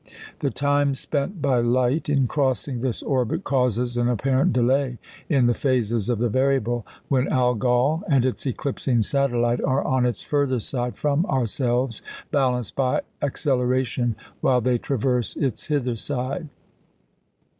The time spent by light in crossing this orbit causes an apparent delay in the phases of the variable, when Algol and its eclipsing satellite are on its further side from ourselves, balanced by acceleration while they traverse its hither side.